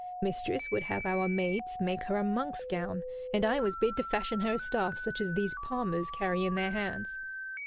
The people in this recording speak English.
Mistress would have our maids make her a monk's gown, and I was bid to fashion her a staff such as these palmers carry in their hands.